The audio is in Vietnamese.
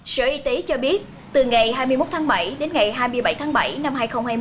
sở y tế cho biết từ ngày hai mươi một tháng bảy đến ngày hai mươi bảy tháng bảy năm hai nghìn hai mươi